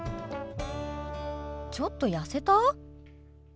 ちょっと痩せた？